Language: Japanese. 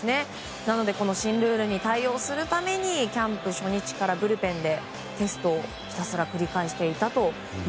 なので新ルールに対応するためにキャンプ初日からテストを繰り返していたと。